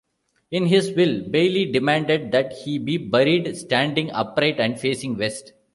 In his will, Bailey demanded that he be buried standing upright and facing west.